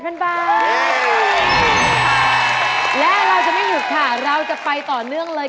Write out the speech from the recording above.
และเราจะไม่หยุดค่ะเราจะไปต่อเนื่องเลย